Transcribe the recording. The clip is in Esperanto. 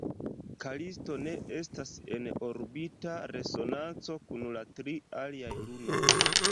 Kalisto ne estas en orbita resonanco kun la tri aliaj lunoj.